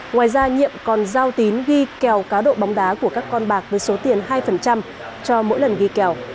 ngoài ra nhiệm còn giao tín ghi kèo cá độ bóng đá của các con bạc với số tiền hai cho mỗi lần ghi kèo